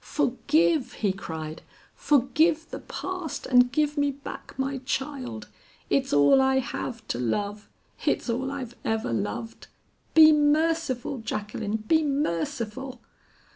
"Forgive," he cried, "forgive the past and give me back my child. It's all I have to love; it's all I've ever loved. Be merciful, Jacqueline, be merciful!"